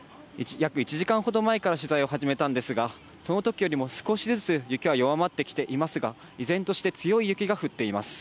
約１時間ほど前から取材を始めたんですが、その時よりも少しずつ雪は弱まってきていますが、依然として強い雪が降っています。